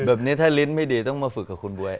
แบบนี้ถ้าลิ้นไม่ดีต้องมาฝึกกับคุณบ๊วย